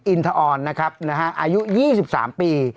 อินทออนนะครับอายุ๒๓ปี